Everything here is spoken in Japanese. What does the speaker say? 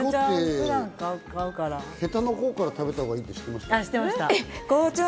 いちごってヘタのほうから食べたほうがおいしいって知ってました？